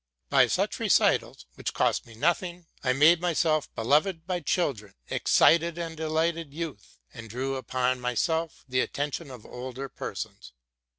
By such recitals, which cost me nothing, I made myself be loved by children, excited and delighted youth, and drew upon myself the attention of older persons.